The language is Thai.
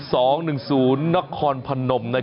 คือมาพบป่าเยี่ยมเยี่ยมกันพูดง่ายมาเจอกับเหล่าบรรดาทหารเกนนั่นแหละ